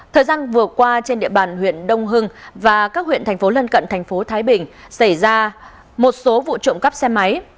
thời gian vừa qua trên địa bàn huyện đông hưng và các huyện thành phố lân cận thành phố thái bình xảy ra một số vụ trộm cắp xe máy